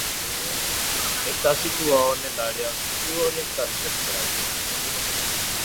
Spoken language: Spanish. Está situado en el área sudoriental del krai.